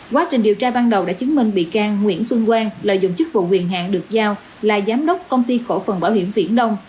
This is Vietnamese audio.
quá trình điều tra ban đầu đã chứng minh bị can nguyễn xuân quang lợi dụng chức vụ quyền hạng được giao là giám đốc công ty cổ phần bảo hiểm viễn đông